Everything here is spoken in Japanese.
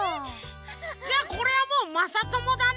じゃあこれはもうまさともだね。